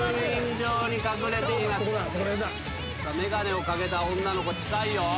眼鏡を掛けた女の子近いよ。